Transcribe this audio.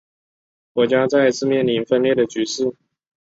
国家再一次面临分裂的局势。